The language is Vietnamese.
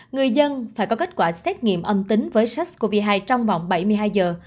người dân phải có kết quả xét nghiệm âm tính với sars cov hai trong vòng bảy mươi hai giờ